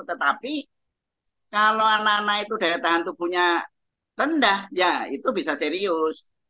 tetapi kalau anak anak itu daya tahan tubuhnya rendah ya itu bisa serius